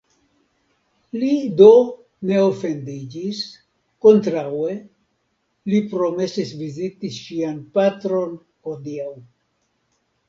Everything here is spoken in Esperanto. Li do ne ofendiĝis; kontraŭe, li promesis viziti ŝian patron hodiaŭ.